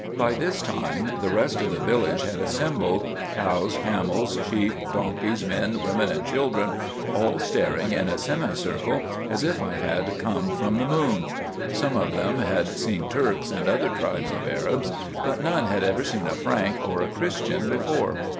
By this time the rest of the village had assembled, cows, camels, sheep, donkeys, men, women, and children, all staring in a semicircle as if I had come from the moon. Some of them had seen Turks and other tribes of Arabs, but none had ever seen a Frank or a Christian before.